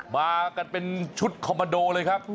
มากันเป็นชุดคอมมาโดเลยครับ